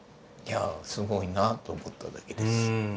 いやすごいなと思っただけです。